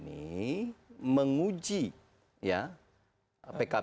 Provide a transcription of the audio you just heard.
perbedaan pemilihan ppp dan ppp